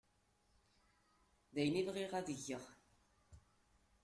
D ayen i bɣiɣ ad geɣ.